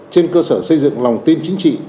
trên cơ sở xây dựng lòng tin chính trị